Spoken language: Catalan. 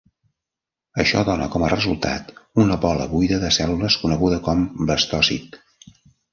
Això dona com a resultat una bola buida de cèl·lules coneguda com blastòcit.